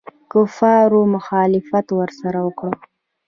کفارو مخالفت ورسره وکړ.